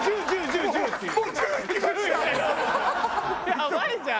やばいじゃん。